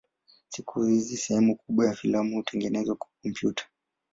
Siku hizi sehemu kubwa za filamu hutengenezwa kwa kompyuta.